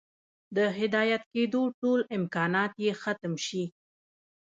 د هدايت كېدو ټول امكانات ئې ختم شي